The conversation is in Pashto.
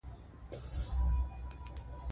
انګریزان به له ویرې تښتېدلي وي.